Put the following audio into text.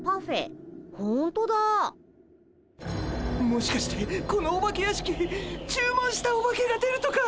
もしかしてこのお化け屋敷注文したオバケが出るとか？